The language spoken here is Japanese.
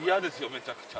めちゃくちゃ。